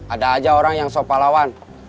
ada aja orang yang sok pahlawan